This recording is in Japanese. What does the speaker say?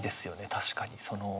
確かに。